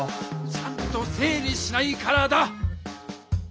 ちゃんと整理しないからだ！